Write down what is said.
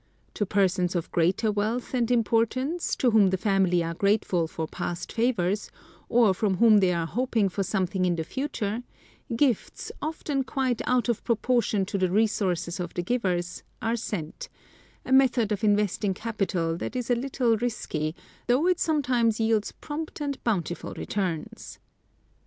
To persons of greater wealth and importance, to whom the family are grateful for past favors or from whom they are hoping for something in the future, gifts, often quite out of proportion to the resources of the givers, are sent, a method of investing capital that is a little risky, though it sometimes yields prompt and bountiful returns.